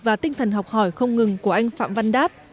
và tinh thần học hỏi không ngừng của anh phạm văn đát